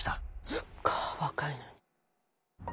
そっかぁ若いのに。